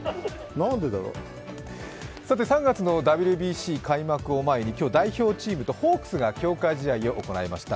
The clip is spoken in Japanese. ３月のＷＢＣ開幕を前に、今日、代表チームとホークスが強化試合を行いました。